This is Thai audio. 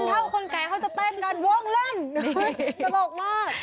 เท่าคนแก่เขาจะเต้นกันวงเล่นสนุกมาก